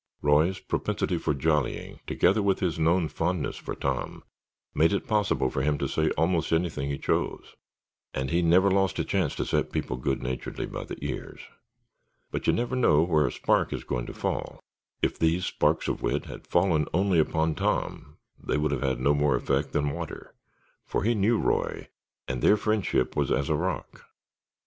Roy's propensity for jollying, together with his known fondness for Tom, made it possible for him to say almost anything he chose, and he never lost a chance to set people good naturedly by the ears. But you never know where a spark is going to fall. If these sparks of wit had fallen only upon Tom they would have had no more effect than water, for he knew Roy, and their friendship was as a rock.